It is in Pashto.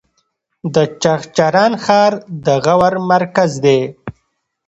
د چغچران ښار د غور مرکز دی